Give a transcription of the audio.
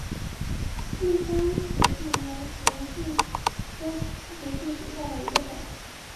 玉山四节蜱为节蜱科四节蜱属下的一个种。